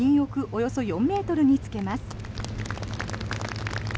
およそ４ｍにつけます。